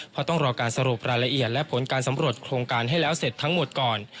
เพราะต้องรอการสรุปรายละเอียดและผลการสำรวจโครงการให้แล้วเสร็จทั้งหมดก่อน